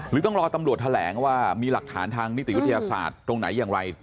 ต้องรอตำรวจแถลงว่ามีหลักฐานทางนิติวิทยาศาสตร์ตรงไหนอย่างไร